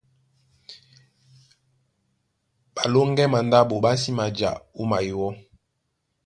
Ɓalóŋgɛ́ mandáɓo ɓá sí maja wúma iwɔ́,